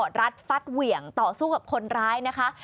รัดฟัดเหวี่ยงต่อสู้กับคนร้ายนะคะ